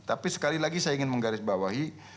tapi sekali lagi saya ingin menggarisbawahi